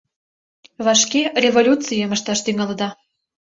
— Вашке революцийым ышташ тӱҥалыда.